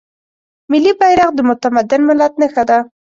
ملي بیرغ د متمدن ملت نښه ده.